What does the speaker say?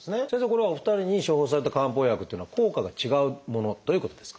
これはお二人に処方された漢方薬っていうのは効果が違うものということですか？